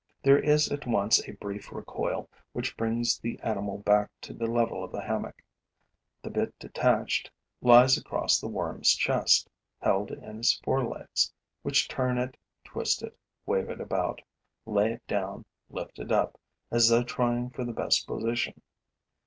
There is at once a brief recoil, which brings the animal back to the level of the hammock. The bit detached lies across the worm's chest, held in its forelegs, which turn it, twist it, wave it about, lay it down, lift it up, as though trying for the best position.